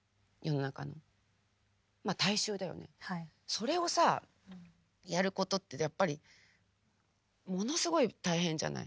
それをさやることってやっぱりものすごい大変じゃない？